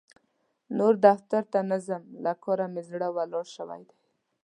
نور دفتر ته نه ځم؛ له کار مې زړه ولاړ شوی دی.